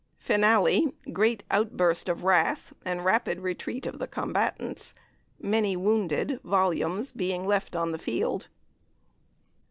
Finale: great outburst of wrath, and rapid retreat of the combatants, many wounded (volumes) being left on the field.